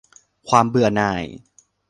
ความเบื่อหน่าย